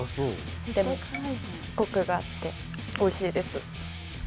でもコクがあっておいしいです